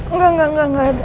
enggak enggak gak ada